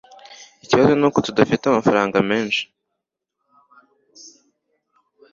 Ikibazo nuko tudafite amafaranga menshi